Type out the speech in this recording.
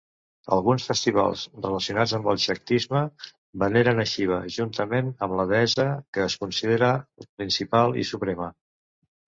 Alguns festivals relacionats amb el Xactisme veneren a Shiva, juntament amb la deessa que es considera principal i suprema.